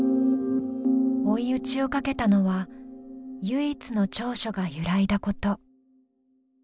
追い討ちをかけたのは唯一の長所が揺らいだこと。